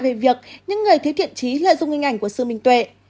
về việc những người thiếu thiện trí lợi dụng hình ảnh của sự minh tuệ